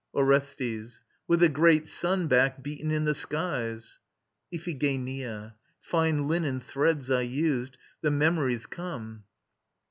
ORESTES. With a great Sun back beaten in the skies. IPHIGENIA. Fine linen threads I used. The memories come.